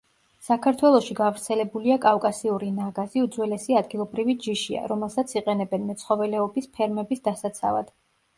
საქართველოში გავრცელებულია კავკასიური ნაგაზი უძველესი ადგილობრივი ჯიშია, რომელსაც იყენებენ მეცხოველეობის ფერმების დასაცავად.